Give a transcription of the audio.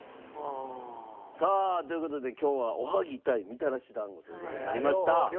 さあという事で今日はおはぎ対みたらし団子という事になりました。